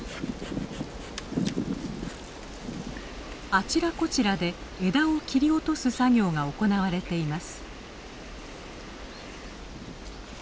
あちらこちらで枝を切り落とす作業が行われています。